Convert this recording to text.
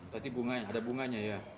tadi ada bunganya ya